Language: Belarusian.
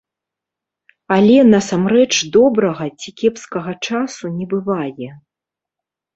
Але насамрэч добрага ці кепскага часу не бывае.